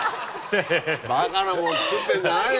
バカなもの作ってるんじゃないよ。